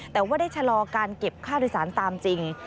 แต่ว่าได้ชะลอการเก็บค่าโดยสารตามจริง